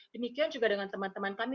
demikian juga dengan teman teman kami